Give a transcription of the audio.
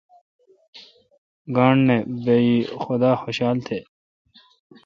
گانٹھ نہ۔ بہ یئ خدا خوشال تہ۔